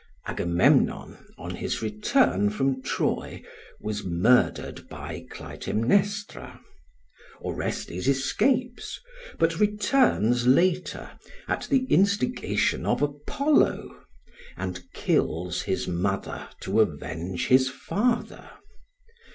Agamemnon, on his return from Troy, was murdered by Clytemnestra. Orestes escapes; but returns later, at the instigation of Apollo, and kills his mother to avenge his father.